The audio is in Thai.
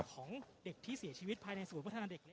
ครับ